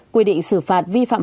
đây là một sự vi phạm